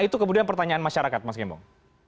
itu kemudian pertanyaan masyarakat mas gembong